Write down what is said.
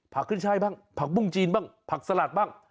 ขึ้นช่ายบ้างผักบุ้งจีนบ้างผักสลัดบ้าง